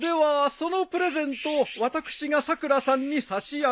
そのプレゼントを私がさくらさんに差し上げた。